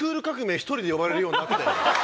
１人で呼ばれるようになって。